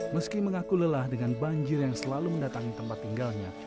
meski mengaku lelah dengan banjir yang selalu mendatangi tempat tinggalnya